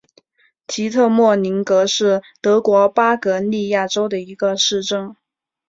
蒂特莫宁格是德国巴伐利亚州的一个市镇。